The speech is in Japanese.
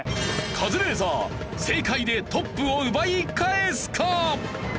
カズレーザー正解でトップを奪い返すか！？